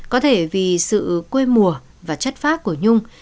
có thể vì sự quê mùa và chất phác của nhung